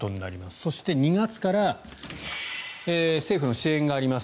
そして、２月から政府の支援があります。